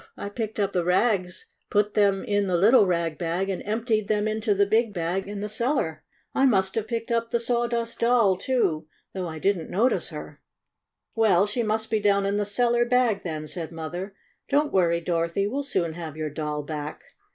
I picked up the rags, put them in the little rag bag, and emptied them into the big bag in the cellar. I must have picked up the Saw dust Doll, too, though I didn't notice her." "Well, she must be down in the cellar bag, then," said Mother. "Don't worry, Dorothy. We'll soon have your doll back."